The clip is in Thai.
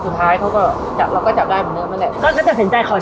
สุดท้ายเขาก็เราก็จับได้เหมือนเดิมนั่นแหละก็จะเป็นใจขอเชิญเขาออก